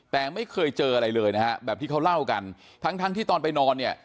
แต่ไม่เคยเจออะไรเลยนะฮะแบบที่เขาเล่ากันทั้งทั้งที่ตอนไปนอนเนี่ย